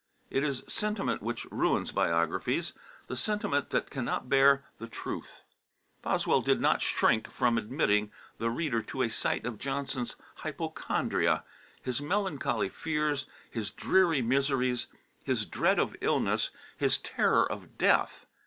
It is sentiment which ruins biographies, the sentiment that cannot bear the truth. Boswell did not shrink from admitting the reader to a sight of Johnson's hypochondria, his melancholy fears, his dreary miseries, his dread of illness, his terror of death.